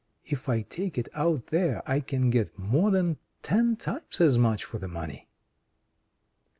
If I take it out there, I can get more than ten times as much for the money."